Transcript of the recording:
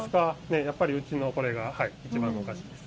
やっぱり、うちのこれが一番のお菓子です。